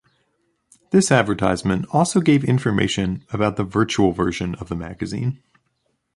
This advertisement also gave information about the virtual version of the magazine.